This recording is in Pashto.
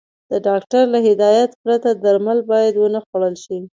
د ډاکټر له هدايت پرته درمل بايد ونخوړل شي.